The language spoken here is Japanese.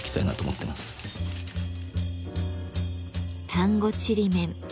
丹後ちりめん。